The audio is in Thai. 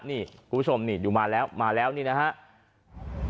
นี่คุณผู้ชมนี่ดูมาแล้วมาแล้วนี่นะครับ